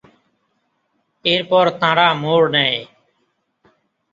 এরপর তাঁরা মোড় নেয়।